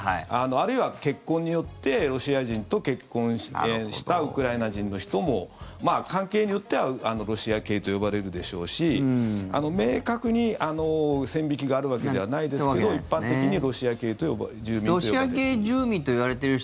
あるいは結婚によってロシア人と結婚したウクライナ人の人も関係によってはロシア系と呼ばれるでしょうし明確に線引きがあるわけではないですけど一般的にロシア系住民と呼ばれる。